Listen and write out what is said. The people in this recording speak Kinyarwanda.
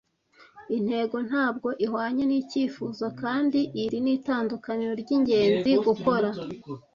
Intego ntabwo ihwanye nicyifuzo, kandi iri ni itandukaniro ryingenzi gukora.